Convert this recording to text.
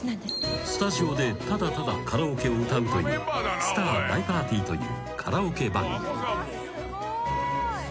［スタジオでただただカラオケを歌うという『スター大パーティー！』というカラオケ番組］